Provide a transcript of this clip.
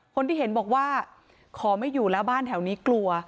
คนที่เห็นบอกว่าขอไม่อยู่แล้วบ้านแถวนี้กลัว